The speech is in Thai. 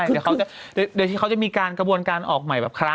ใช่เดี๋ยวที่เขาจะมีกระบวนการออกใหม่แบบคละ